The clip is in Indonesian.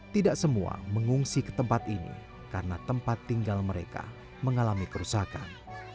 tidak semua mengungsi ke tempat ini karena tempat tinggal mereka mengalami kerusakan